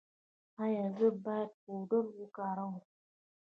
ایا زه باید پاوډر وکاروم؟